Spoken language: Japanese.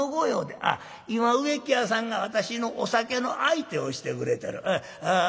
「今植木屋さんが私のお酒の相手をしてくれてる。